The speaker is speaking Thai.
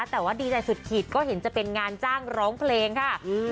แต่ว่าดีใจสุดขีดก็เห็นจะเป็นงานจ้างร้องเพลงค่ะ